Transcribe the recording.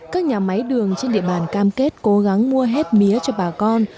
các nhà máy đường trên địa bàn cam kết cố gắng mua hết mía cho bà con